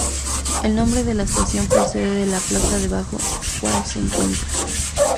El nombre de la estación procede de la plaza debajo cual se encuentra.